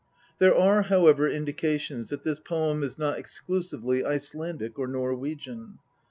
There are, however, indications that this poem is not exclusively Icelandic or Norwegian.